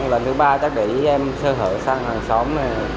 lần thứ ba chắc để em sơ hở sang hàng xóm này